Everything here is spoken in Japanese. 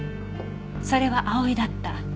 「それは葵だった」